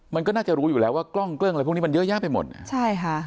มันก็น่าจะรู้อยู่แล้วว่ากล้องเกิ้งอะไรพวกนี้มันเยอะแยะไปหมดเนี่ยใช่ค่ะ